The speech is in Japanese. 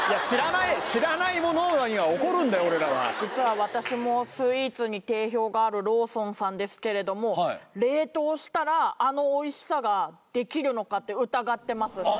俺らは実は私もスイーツに定評があるローソンさんですけれども冷凍したらあのおいしさができるのかって疑ってます